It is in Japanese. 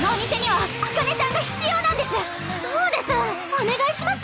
お願いします。